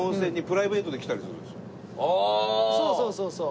そうそうそうそう。